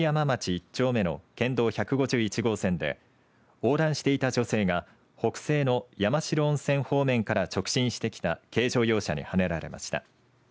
１丁目の県道１５１号線で横断していた女性が北西の山代温泉方面から直進してきた軽乗用車にはねられました。